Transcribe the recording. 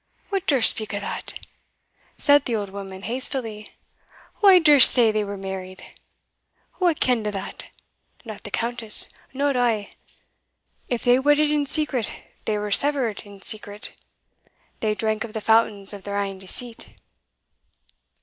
"Wha durst speak o' that?" said the old woman hastily; "wha durst say they were married? wha ken'd o' that? Not the Countess not I. If they wedded in secret, they were severed in secret They drank of the fountains of their ain deceit."